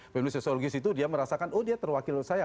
pemilu sosiologis itu dia merasakan oh dia terwakil saya